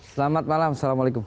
selamat malam assalamualaikum